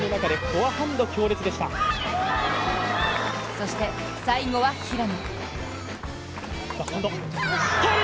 そして、最後は平野。